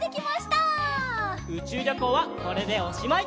うちゅうりょこうはこれでおしまい！